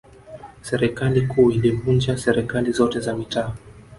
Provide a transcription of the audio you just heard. serikali kuu ilivunja serikali zote za mitaa